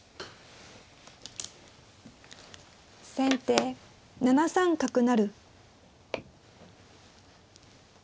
先手７三角成。